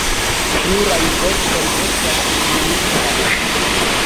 Pluraj verkoj estas filmitaj.